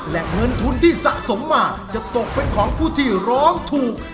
และเงินทุนที่สะสมมาจะตกเป็นของผู้ที่ร้องถูก